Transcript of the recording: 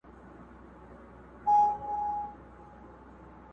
o لکه ړنده سپۍ، پر خپلو کوتريانو غول کوي!